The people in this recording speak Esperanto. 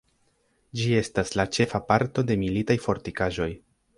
Ĝi estas la ĉefa parto de militaj fortikaĵoj.